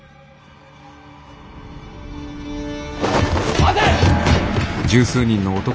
待て！